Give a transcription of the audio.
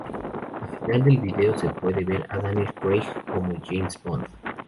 Al final del video se puede ver a Daniel Craig como James Bond.